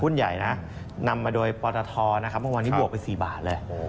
ใหญ่นะนำมาโดยปตทนะครับเมื่อวานนี้บวกไป๔บาทเลย